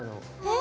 え⁉